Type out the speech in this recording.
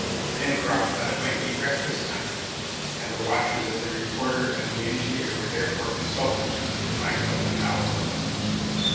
Pencroft thought it must be breakfast time, and the watches of the reporter and engineer were therefore consulted to find out the hour.